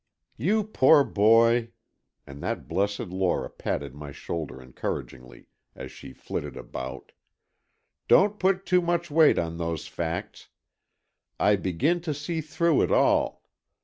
"You poor boy," and that blessed Lora patted my shoulder encouragingly, as she flitted about, "don't put too much weight on those facts. I begin to see through it all.